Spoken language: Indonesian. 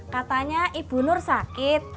katanya ibu nur sakit